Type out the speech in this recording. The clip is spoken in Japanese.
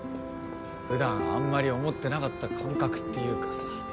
普段あんまり思ってなかった感覚っていうかさ